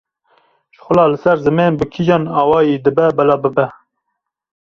Şixula li ser zimên bi kîjan awayî dibe bila bibe.